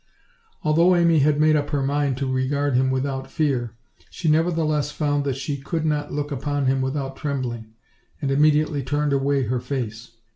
Although Amy had made up her mind to regard him without fear, she nevertheless found that she could not look upon him without trembling, and immediately turned away her face.